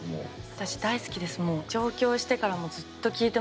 私大好きですもう。